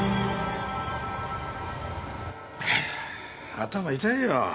頭痛いよ。